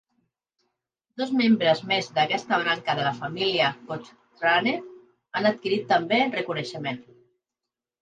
Dos membres més d'aquesta branca de la família Cochrane han adquirit també reconeixement.